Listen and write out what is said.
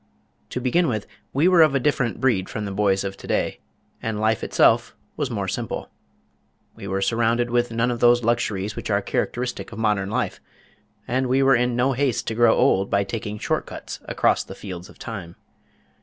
To begin with we were of a different breed from the boys of to day, and life itself was more simple. We were surrounded with none of those luxuries which are characteristic of modern life, and we were in no haste to grow old by taking short cuts across the fields of time.